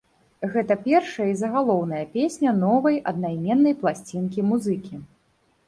Гэта першая і загалоўная песня новай, аднайменнай пласцінкі музыкі.